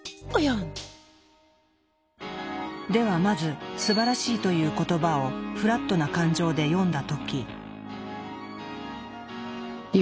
ではまず「すばらしい」という言葉をフラットな感情で読んだ時。